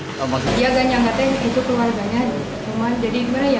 dia kan yang ngatain itu keluarganya cuma jadi berani ya